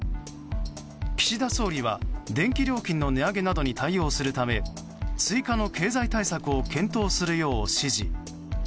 岸田総理は電気料金の値上げなどに対応するため追加の経済対策を検討するよう指示。